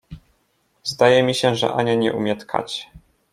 Zdaje mi się, że Ania nie umie tkać!